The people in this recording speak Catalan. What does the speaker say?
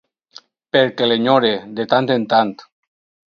Perquè l’enyore, de tant en tant.